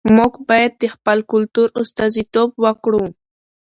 موږ بايد د خپل کلتور استازیتوب وکړو.